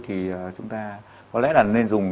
thì chúng ta có lẽ là nên dùng